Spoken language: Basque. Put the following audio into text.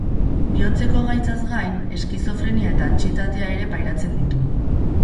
Bihotzeko gaitzaz gain, eskizofrenia eta antsietatea ere pairatzen ditu.